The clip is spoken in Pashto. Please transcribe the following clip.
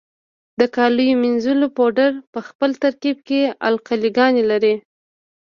د کالیو منیځلو پوډر په خپل ترکیب کې القلي ګانې لري.